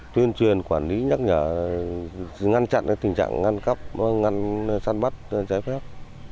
tuyên truyền quản lý nhắc nhở ngăn chặn cái tình trạng ngăn cấp ngăn sát bắt giải phép